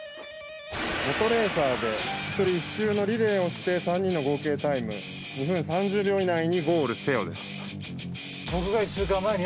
モトレーサーで１人１周のリレーをして３人の合計タイム２分３０秒以内にゴールせよです。